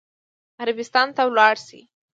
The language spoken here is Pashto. عربستان ته ولاړ شي.